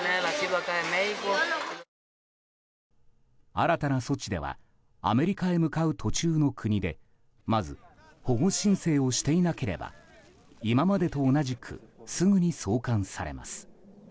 新たな措置ではアメリカへ向かう途中の国でまず、保護申請をしていなければ今までと同じくすぐに送還されます。